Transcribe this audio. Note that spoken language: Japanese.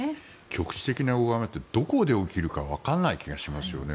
局地的な大雨ってどこで起きるかわからない気がしますよね。